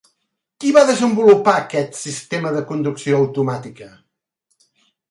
Qui va desenvolupar aquest sistema de conducció automàtica?